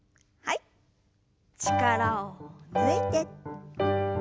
力を抜いて。